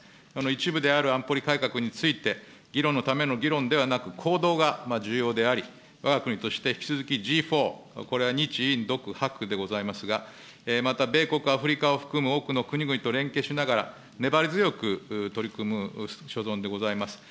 一部である安保理改革について、議論のための議論ではなく、行動が重要であり、わが国として引き続き、Ｇ４、これは日、印、独、はくでございますが、また米国、アフリカを含む多くの国々と連携しながら、粘り強く取り組む所存でございます。